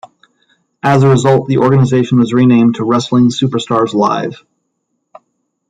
As a result, the organization was renamed to Wrestling Superstars Live.